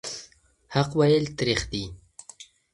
حق ویل تریخ دي.